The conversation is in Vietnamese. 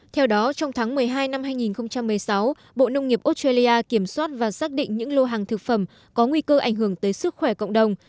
theo đó trong tháng một mươi hai năm hai nghìn một mươi sáu bộ nông nghiệp australia kiểm soát và xác định những lô hàng thực phẩm có nguy cơ ảnh hưởng tới sức khỏe cộng đồng